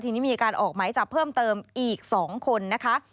ทีนี้มีการออกหมายจับเพิ่มเติมอีก๒คนนะคะ